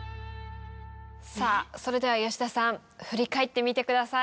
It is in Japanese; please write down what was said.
さぁそれでは吉田さん振り返ってみてください。